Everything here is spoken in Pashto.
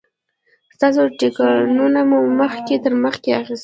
ستاسو ټکټونه مو مخکې تر مخکې اخیستي.